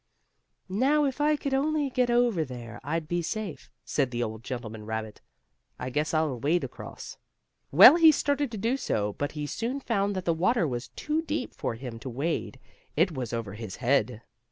"Now, if I could only get over there I'd be safe," said the old gentleman rabbit. "I guess I'll wade across." Well, he started to do so, but he soon found that the water was too deep for him to wade. It was over his head.